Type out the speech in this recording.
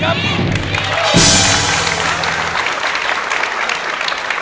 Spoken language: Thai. เล่น